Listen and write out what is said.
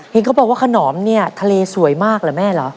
เห็นเขาบอกว่าขนอมเนี่ยทะเลสวยมากเหรอแม่เหรอ